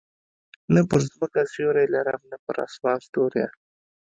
نه پر مځکه سیوری لرم، نه پر اسمان ستوری.